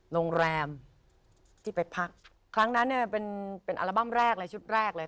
โรงแรมที่ไปพักครั้งนั้นเนี่ยเป็นเป็นอัลบั้มแรกเลยชุดแรกเลย